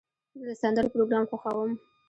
زه د سندرو پروګرام خوښوم.